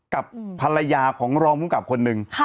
กับภรรยาของรองภูมิกับคนหนึ่ง